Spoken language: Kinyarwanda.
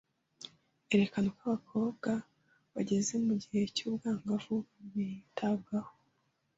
Erekana uko abakobwa bageze mu gihe cy’ubwangavu bitabwagaho